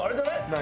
何？